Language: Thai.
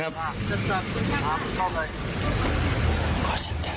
ครับผมอ๋ออะไรอ๋อลูกชายคุณให้ทำปวดที่เหรอ